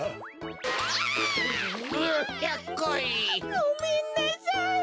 ごめんなさい！